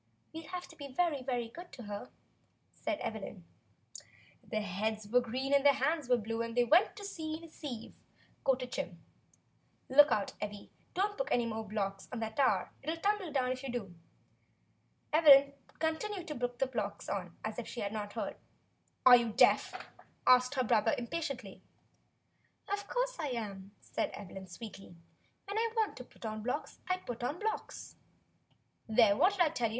"We'll have to be very, very good to her," said Evelyn. "Their heads were green and their hands were blue, and they went to sea in a sieve," quoted Jim. "Look out, Evvy, don't put any more blocks on that tower; it'll tumble down if you do." Evelyn continued to put blocks on, as if she had not heard. "Are you deaf?" asked her brother. THE LETTER 7 "Sometimes I am," said Evelyn sweetly. "WTien I want to put on blocks, I want to put on blocks." "There, what did I tell you.